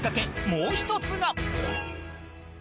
もう１つが